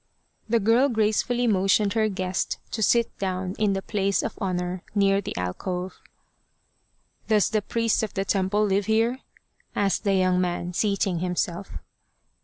The girl gracefully motioned her guest to sit down in the place of honour near the alcove " Does the priest of the temple live here ?" asked the young man, seating himself.